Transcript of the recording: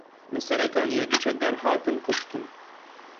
Li Serê Kaniyê du çekdar hatin kuştin.